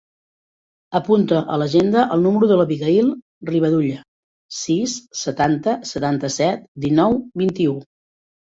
Apunta a l'agenda el número de l'Abigaïl Rivadulla: sis, setanta, setanta-set, dinou, vint-i-u.